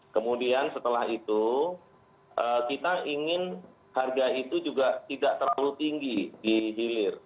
kemudian setelah itu kita ingin harga itu juga tidak terlalu tinggi di hilir